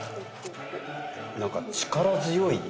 なんか力強い。